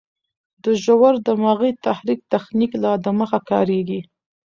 د ژور دماغي تحريک تخنیک لا دمخه کارېږي.